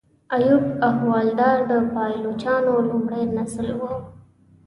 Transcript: ایوب احوالدار د پایلوچانو لومړی نسل و.